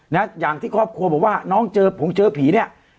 นะอย่างที่ครอบครัวบอกว่าน้องเจอผมเจอผีเนี่ย